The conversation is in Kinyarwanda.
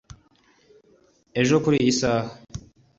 ejo kuri iyi saha